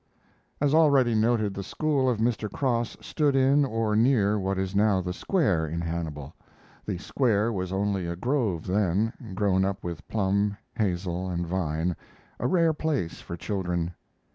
As already noted, the school of Mr. Cross stood in or near what is now the Square in Hannibal. The Square was only a grove then, grown up with plum, hazel, and vine a rare place for children.